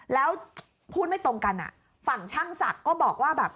แล้วพูดไม่ตรงกันฝั่งช่างศักดิ์ก็บอกว่าแบบ